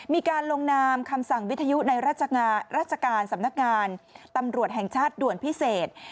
มีการลงนามคำสั่งวิทยุในราชการสำนักงานตำรวจแห่งชาติด่วนพิเศษ